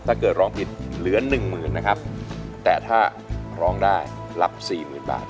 ร้องผิดเหลือหนึ่งหมื่นนะครับแต่ถ้าร้องได้รับสี่หมื่นบาท